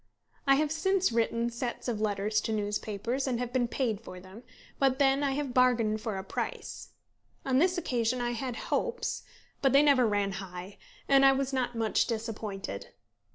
I have since written sets of letters to newspapers, and have been paid for them; but then I have bargained for a price. On this occasion I had hopes; but they never ran high, and I was not much disappointed.